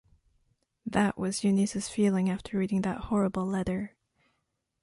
That was Eunice’s feeling after reading that horrible letter.